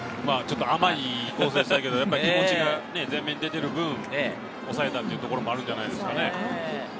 甘いですけど、気持ちが前面に出ている分、抑えたというところもあるんじゃないですかね。